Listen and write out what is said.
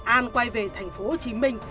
an quay về thành phố hồ chí minh